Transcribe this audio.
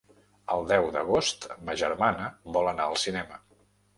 El deu d'agost ma germana vol anar al cinema.